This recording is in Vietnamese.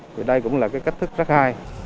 vì đây cũng là cái cách thức rất hay